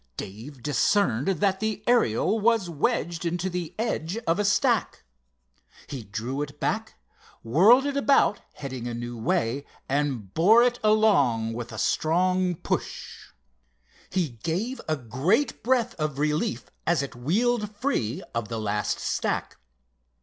Dave discerned that the Ariel was wedged into the edge of a stack. He drew it back, whirled it about heading a new way, and bore it along with a strong push. He gave a great breath of relief as it wheeled free of the last stack.